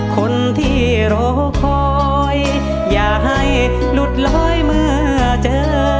คนที่รอคอยอย่าให้หลุดลอยเมื่อเจอ